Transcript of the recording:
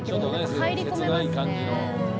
入り込めますね。